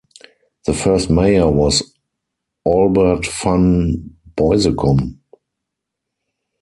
The first mayor was Albert Van Beusekom.